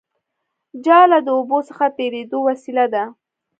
جاله د اوبو څخه تېرېدو وسیله ده